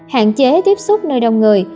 hạn chế tiếp xúc nơi đông người